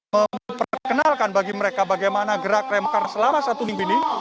memperkenalkan bagi mereka bagaimana gerak remkar selama satu minggu ini